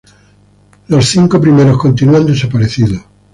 Los cinco primeros continúan desaparecidos.